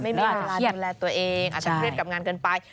ไม่มีเวลาดูแลตัวเองอาจจะเครียดกลับงานเกินไป